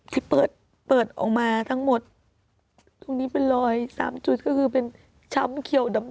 ที่เปิดเปิดออกมาทั้งหมดตรงนี้เป็นรอยสามจุดก็คือเป็นช้ำเขียวดำ